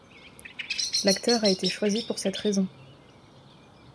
L'acteur a été choisi pour cette raison.